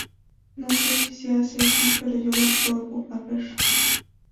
No sé si se hace así pero yo lo pruebo a ver.